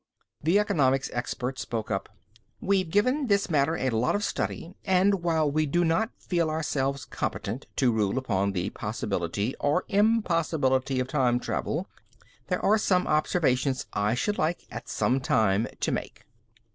The economics expert spoke up: "We've given this matter a lot of study and, while we do not feel ourselves competent to rule upon the possibility or impossibility of time travel, there are some observations I should like, at some time, to make."